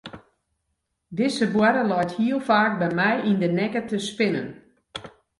Dizze boarre leit hiel faak by my yn de nekke te spinnen.